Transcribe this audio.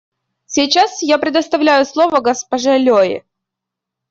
Сейчас я предоставляю слово госпоже Лёй.